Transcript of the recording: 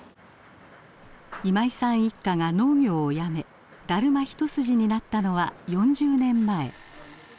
今井さん一家が農業をやめだるま一筋になったのは４０年前。